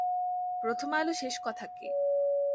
প্রথম আলো শেষ কথা কী?